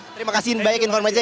terima kasih banyak informasinya